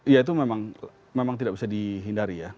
ya itu memang tidak bisa dihindari ya